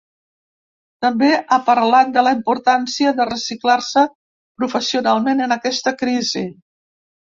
També ha parlat de la importància de reciclar-se professionalment en aquesta crisi.